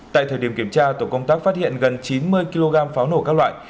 tại thời điểm kiểm tra tổ công tác phát hiện gần chín mươi kg pháo nổ các loại